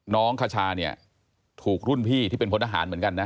คชาเนี่ยถูกรุ่นพี่ที่เป็นพลทหารเหมือนกันนะ